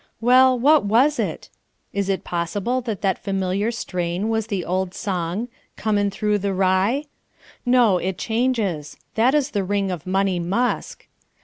Well, what was it? Is it possible that that familiar strain was the old song, "Comin' Through the Rye"? No, it changes; that is the ring of "Money Musk."